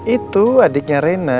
itu adiknya rena